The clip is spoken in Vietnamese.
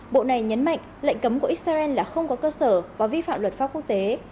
bộ này nhấn mạnh lệnh cấm của israel là không có cơ sở và vi phạm luật pháp quốc tế